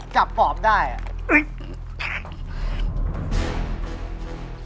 จับฝอบได้อ่ะ